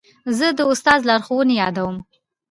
زه د استاد لارښوونې یادوم.